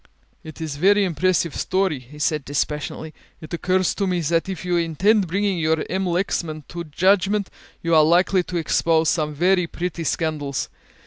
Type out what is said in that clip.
"It is a very impressive story," he said dispassionately; "it occurs to me that if you intend bringing your M. Lexman to judgment you are likely to expose some very pretty scandals.